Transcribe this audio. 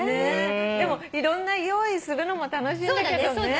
でもいろんな用意するのも楽しいんだけどね。